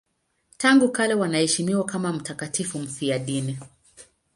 Tangu kale wanaheshimiwa kama mtakatifu mfiadini.